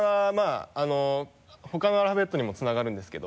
他のアルファベットにもつながるんですけど。